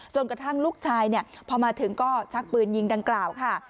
กระทั่งลูกชายพอมาถึงก็ชักปืนยิงดังกล่าวค่ะ